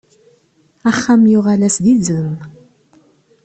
Axxam yuɣal-as d izem.